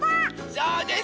そうです！